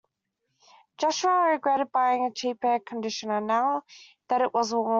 Joshua regretted buying a cheap air conditioner now that it was warmer.